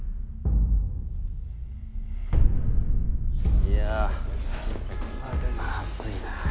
いやまずいな。